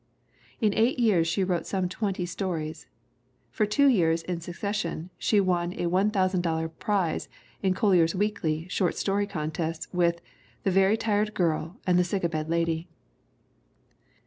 In eight years she wrote some twenty stories. For two years in succession she won a $1,000 prize in Collier's Weekly short story contests with The Very Tired Girl and The Sick a Bed Lady.